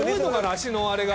足のあれが。